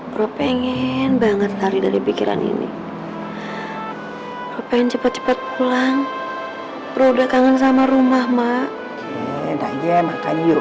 bro pengen banget tari dari pikiran ini pengen cepet cepet pulang udah kangen sama rumah mak